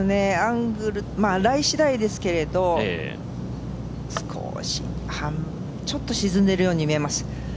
ライしだいですけどちょっと沈んでいるように見えます。